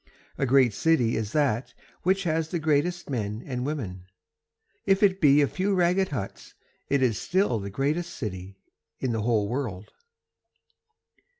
A great city is that which has the greatest men and women, If it be a few ragged huts it is still the greatest city in the whole world.